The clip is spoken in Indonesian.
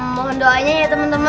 mohon doanya ya teman teman